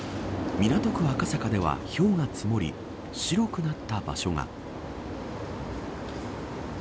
港区赤坂では、ひょうが積もり白くなった場所が。